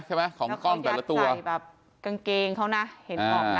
ใช่ไหมของกล้องแต่ละตัวแล้วก็ยัดใส่แบบกางเกงเขาน่ะเห็นออกน่ะ